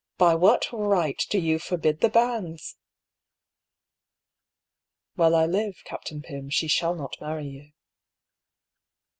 " By what right do you forbid the banns ?" "While I live. Captain Pym, she shall not marry you."